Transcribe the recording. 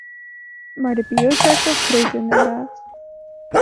Maar de biosector groeit inderdaad.